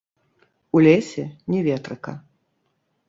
У лесе ні ветрыка.